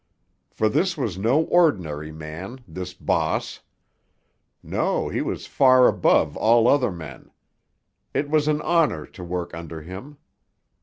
For this was no ordinary man, this "bahss." No, he was far above all other men. It was an honour to work under him.